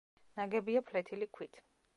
ნაგებია ფლეთილი ქვით.